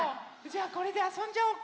じゃあこれであそんじゃおう。